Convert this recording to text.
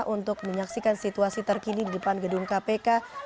untuk menyaksikan situasi terkini di depan gedung kpk